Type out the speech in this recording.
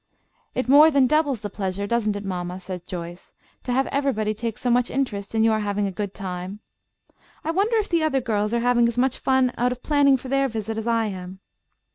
"It more than doubles the pleasure, doesn't it, mamma," said Joyce, "to have everybody take so much interest in your having a good time? I wonder if the other girls are having as much fun out of planning for their visit as I am."